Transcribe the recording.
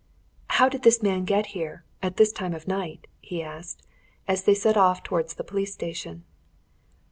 "How did this man get here at this time of night?" he asked, as they set off towards the police station.